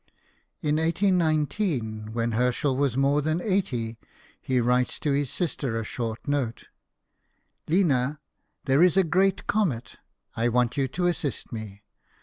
In 1819, when Herschel was more than eighty, he writes to his sister a short note " Lina, there is a great comet. I want you to assist me.